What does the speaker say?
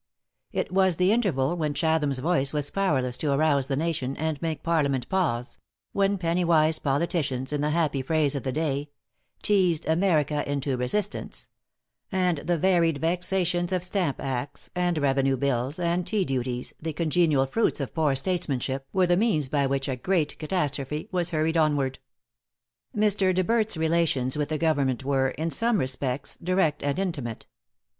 It was the interval when Chatham's voice was powerless to arouse the Nation, and make Parliament pause when penny wise politicians, in the happy phrase of the day, "teased America into resistance;" and the varied vexations of stamp acts, and revenue bills, and tea duties, the congenial fruits of poor statesmanship, were the means by which a great catastrophe was hurried onward. Mr. De Berdt's relations with the Government were, in some respects, direct and intimate.